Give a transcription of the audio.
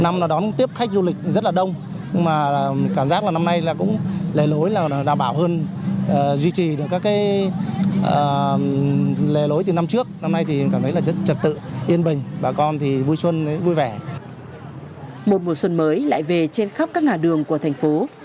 một mùa xuân mới lại về trên khắp các ngã đường của thành phố